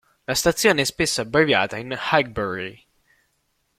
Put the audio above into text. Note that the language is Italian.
La stazione è spesso abbreviata in "Highbury".